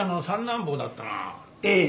ええ。